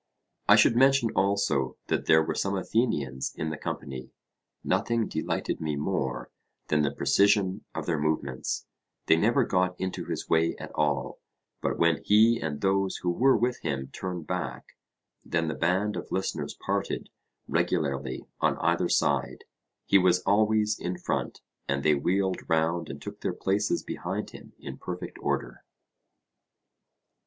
I should mention also that there were some Athenians in the company. Nothing delighted me more than the precision of their movements: they never got into his way at all; but when he and those who were with him turned back, then the band of listeners parted regularly on either side; he was always in front, and they wheeled round and took their places behind him in perfect order.